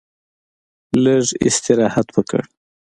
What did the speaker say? لږ استراحت وکړ.